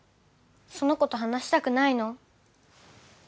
その子と話したくないの？